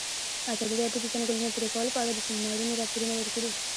ازادي راډیو د د ځنګلونو پرېکول په اړه د سیمینارونو راپورونه ورکړي.